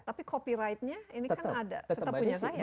tapi copyright nya ini kan ada tetap punya saya kan